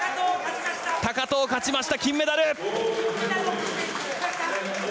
高藤勝ちました、金メダル！